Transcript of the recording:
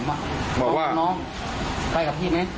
บอกว่าพี่คู่น้องไปกับพี่มั้ย